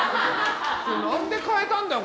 何で変えたんだよ